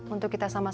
untuk kita selamatkan